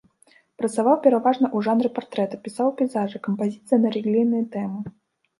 Працаваў пераважна ў жанры партрэта, пісаў пейзажы, кампазіцыі на рэлігійныя тэмы.